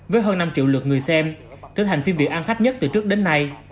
với hơn năm triệu lượt người xem trở thành phim việt ăn khách nhất từ trước đến nay